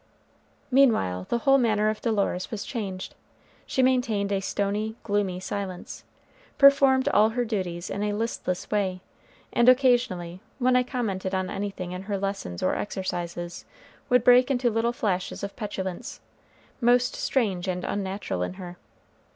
Meanwhile the whole manner of Dolores was changed. She maintained a stony, gloomy silence, performed all her duties in a listless way, and occasionally, when I commented on anything in her lessons or exercises, would break into little flashes of petulance, most strange and unnatural in her.